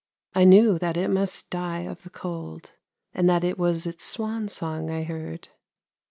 I knew that it must die of the cold, and that it was its swan song I heard.